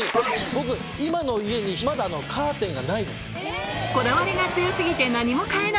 僕今の家にまだカーテンがないです。